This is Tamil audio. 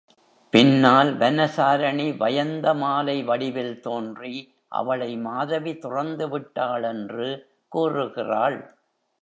பின்னால் வனசாரணி வயந்தமாலை வடிவில் தோன்றி அவளை மாதவி துறந்துவிட்டாள் என்று கூறுகிறாள்.